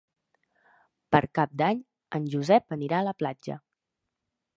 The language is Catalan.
Per Cap d'Any en Josep anirà a la platja.